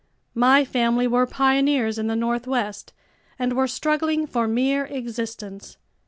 My family were pioneers in the Northwest and were struggling for mere existence.